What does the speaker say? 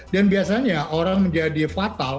dan biasanya orang menjadi fatal